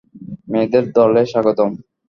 মেয়েদের দলে স্বাগতম!